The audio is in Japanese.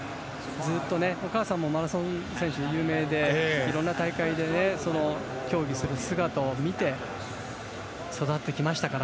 ずっとお母さんもマラソン選手で有名でいろんな大会で競技する姿を見て育ってきましたから。